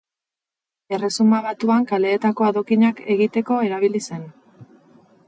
Erresuma Batuan kaleetako adokinak egiteko erabili zen.